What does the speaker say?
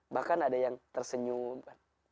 bahkan ada yang tersenyum